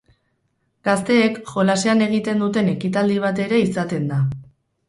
Gazteek jolasean egiten duten ekitaldi bat ere izaten da.